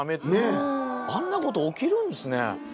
あんなこと起きるんすね。